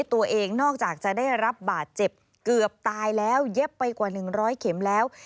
นอกจากจะได้รับบาดเจ็บเกือบตายแล้วเย็บไปกว่า๑๐๐เข็มแล้ว